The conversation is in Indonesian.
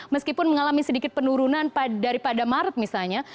meskipun mengalami sedikit penurunan daripada maret misalnya